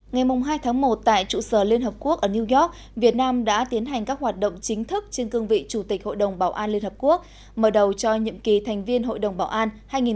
ngày hai tháng một tại trụ sở liên hợp quốc ở new york việt nam đã tiến hành các hoạt động chính thức trên cương vị chủ tịch hội đồng bảo an liên hợp quốc mở đầu cho nhiệm kỳ thành viên hội đồng bảo an hai nghìn hai mươi hai nghìn hai mươi một